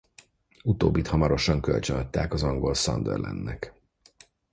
Utóbbit hamarosan kölcsönadták az angol Sunderlandnek.